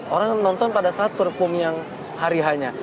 orang nonton pada saat perpum yang hari hanya